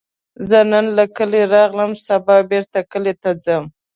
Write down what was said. زه نن له کلي راغلم، سبا بیرته کلي ته ځم